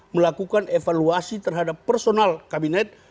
melakukan evaluasi terhadap personal kabinet